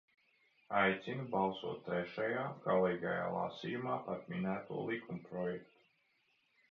Aicinu balsot trešajā, galīgajā, lasījumā par minēto likumprojektu.